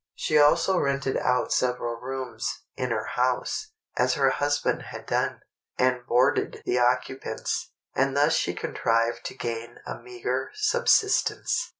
She also rented out several rooms in her house, as her husband had done, and boarded the occupants, and thus she contrived to gain a meagre subsistence.